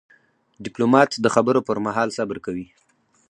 ډيپلومات د خبرو پر مهال صبر کوي.